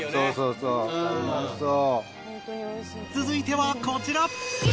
続いてはこちら！